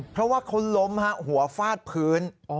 เพราะว่าเขาล้มหัวฟาดพื้น